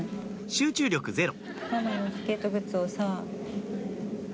集中力ゼロ